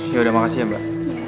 yaudah makasih ya mbak